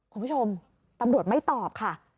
คุณผู้ชมตำรวจไม่ตอบค่ะ